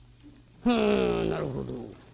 「ふんなるほど。